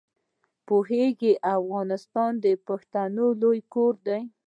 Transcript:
پوهېږې افغانستان د پښتنو لوی کور دی.